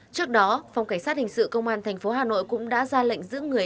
trước đó phòng cảnh sát hình sự công an tp hcm cũng đã ra lệnh giữ người